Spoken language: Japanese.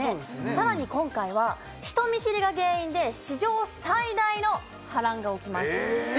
更に今回は人見知りが原因で史上最大の波乱が起きますええ